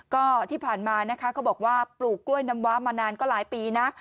ก็ที่ผ่านมานะคะเขาบอกว่าปลูกกล้วยน้ำว้ามานานก็หลายปีนะ